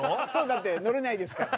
だって乗れないですから。